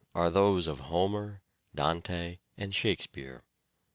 are tnose of Homer, Dante and Shakespeare.